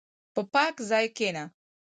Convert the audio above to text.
په پاک ځای کښېنه.